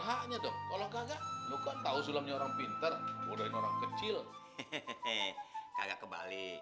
haknya dong tolong kagak bukan tahu sulamnya orang pinter bodohin orang kecil hehehe kagak